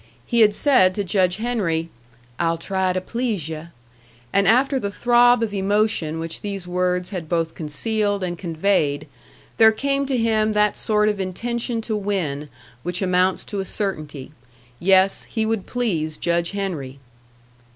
He had said to Judge Henry, "I'll try to please yu'." And after the throb of emotion which these words had both concealed and conveyed, there came to him that sort of intention to win which amounts to a certainty. Yes, he would please Judge Henry!